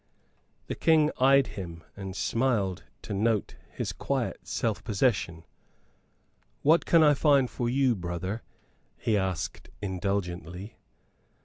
The King eyed him, and smiled to note his quiet self possession. "What can I find for you, brother?" he asked, indulgently.